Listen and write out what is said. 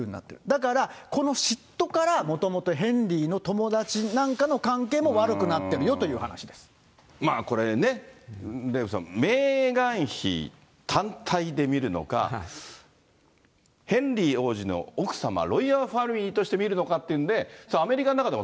だから、この嫉妬から、もともとヘンリーの友達なんかの関係も悪まあ、これ、ね、デーブさん、メーガン妃単体で見るのか、ヘンリー王子の奥様、ロイヤルファミリーとして見るのかって、そうですね。